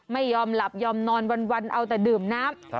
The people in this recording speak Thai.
ไม่ยอมหลับยอมนอนวันเอาแต่ดื่มน้ำ